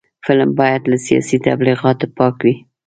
فلم باید له سیاسي تبلیغاتو پاک وي